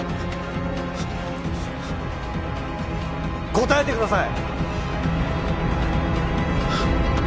答えてください！